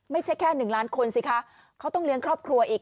ไม่ใช่แค่๑ล้านคนสิคะเขาต้องเลี้ยงครอบครัวอีก